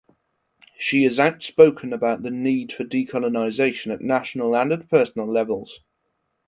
She is outspoken about the need for decolonisation at national and at personal levels.